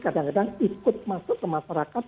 kadang kadang ikut masuk ke masyarakat